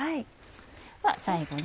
では最後に。